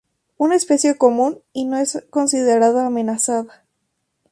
Es una especie común y no es considerada amenazada.